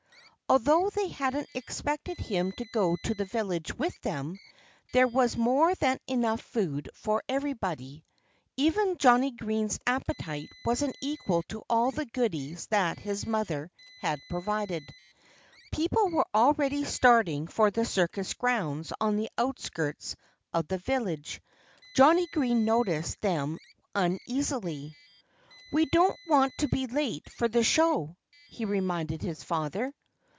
Although they hadn't expected him to go to the village with them, there was more than enough food for everybody. Even Johnnie Green's appetite wasn't equal to all the goodies that his mother had provided. People were already starting for the circus grounds on the outskirts of the village. Johnnie Green noticed them uneasily. "We don't want to be late for the show," he reminded his father.